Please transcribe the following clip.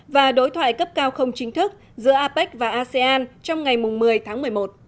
và đối thoại cấp cao không chính thức giữa apec và asean trong ngày một mươi tháng một mươi một